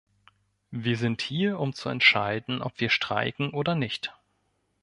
Wir sind hier um zu entscheiden, ob wir streiken oder nicht.